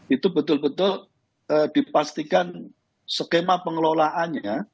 itu betul betul dipastikan skema pengelolaannya